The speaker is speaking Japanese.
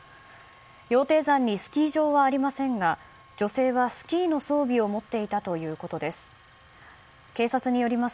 羊蹄山にスキー場はありませんが女性はスキーの装備を持っていたということです。